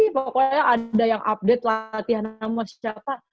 pokoknya ada yang update latihan sama siapa